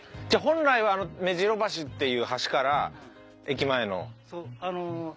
じゃあ本来はめじろ橋っていう橋から駅前の。